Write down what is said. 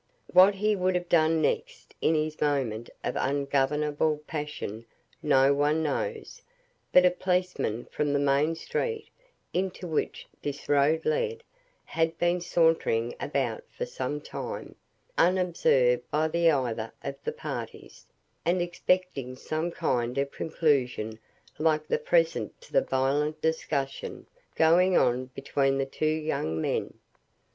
What he would have done next in his moment of ungovernable passion, no one knows; but a policeman from the main street, into which this road led, had been sauntering about for some time, unobserved by either of the parties, and expecting some kind of conclusion like the present to the violent discussion going on between the two young men.